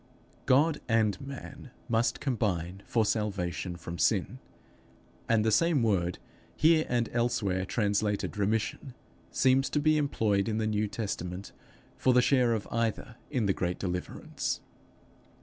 God and man must combine for salvation from sin, and the same word, here and elsewhere translated remission, seems to be employed in the New Testament for the share of either in the great deliverance.